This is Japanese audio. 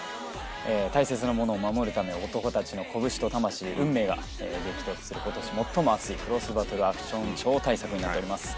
大切なものを守るため、男たちの拳と魂、運命が激突する、ことし最も熱いクロスバトルアクション超大作になっております。